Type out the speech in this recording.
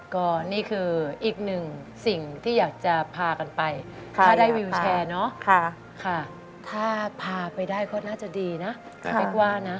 ก็นี่คืออีกหนึ่งสิ่งที่อยากจะพากันไปถ้าได้วิวแชร์เนาะค่ะถ้าพาไปได้ก็น่าจะดีนะเป๊กว่านะ